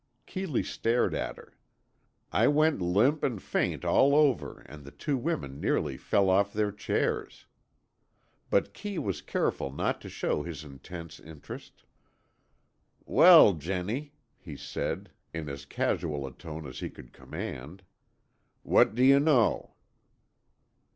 Keeley stared at her. I went limp and faint all over and the two women nearly fell off their chairs. But Kee was careful not to show his intense interest. "Well, Jennie," he said, in as casual a tone as he could command, "what do you know?"